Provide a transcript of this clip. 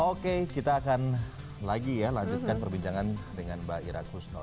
oke kita akan lagi ya lanjutkan perbincangan dengan mbak ira kusno